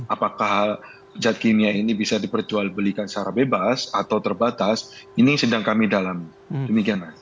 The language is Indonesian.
apakah zat kimia ini bisa diperjual belikan secara bebas atau terbatas ini sedang kami dalami demikianlah